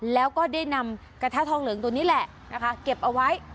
แล้วก็ได้นำกระทะทองเหลืองตัวนี้แหละนะคะเก็บเอาไว้